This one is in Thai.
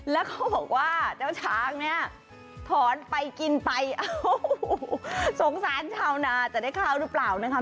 แล้วเขาบอกว่าเจ้าช้างเนี่ยถอนไปกินไปเอ้าสงสารชาวนาจะได้ข้าวหรือเปล่านะคะ